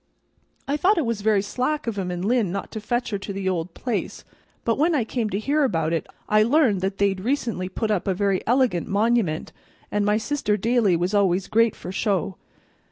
I thought it was very slack of 'em in Lynn not to fetch her to the old place; but when I came to hear about it, I learned that they'd recently put up a very elegant monument, and my sister Dailey was always great for show.